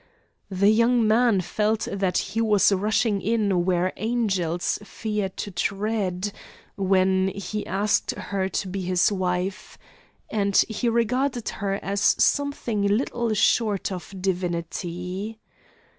The young man felt that he was rushing in where angels fear to tread, when he asked her to be his wife; and he regarded her as something little short of divinity.